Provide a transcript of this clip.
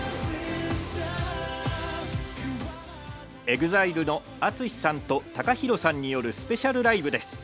ＥＸＩＬＥのＡＴＳＵＳＨＩさんとＴＡＫＡＨＩＲＯさんによるスペシャルライブです。